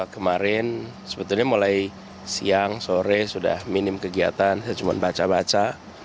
kemarin sebetulnya mulai siang sore sudah minim kegiatan saya cuma baca baca